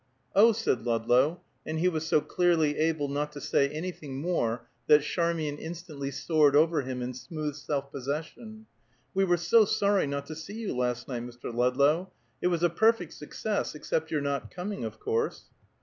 "Oh!" said Ludlow, and he was so clearly able not to say anything more that Charmian instantly soared over him in smooth self possession. "We were so sorry not to see you last night, Mr. Ludlow. It was a perfect success, except your not coming, of course."